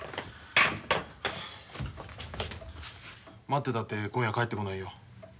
待ってたって今夜は帰ってこないよ。